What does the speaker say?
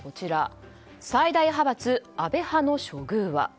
最大派閥・安倍派の処遇は。